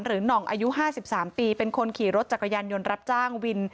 หน่องอายุ๕๓ปีเป็นคนขี่รถจักรยานยนต์รับจ้างวิน